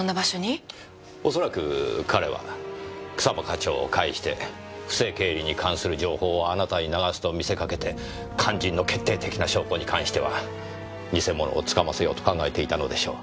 恐らく彼は草葉課長を介して不正経理に関する情報をあなたに流すと見せかけて肝心の決定的な証拠に関しては偽物をつかませようと考えていたのでしょう。